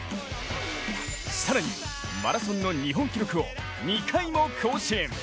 更に、マラソンの日本記録を２回も更新。